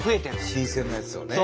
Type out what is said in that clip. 新鮮なやつをね。